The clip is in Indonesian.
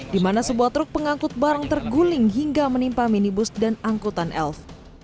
di mana sebuah truk pengangkut barang terguling hingga menimpa minibus dan angkutan elf